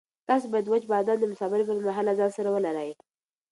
تاسو باید وچ بادام د مسافرۍ پر مهال له ځان سره ولرئ.